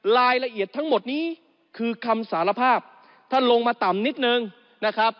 รายละเอียดทั้งหมดนี้คือคำสารภาพท่านลงมาต่ำนิดนึงนะครับ